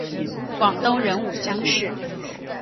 广东壬午乡试。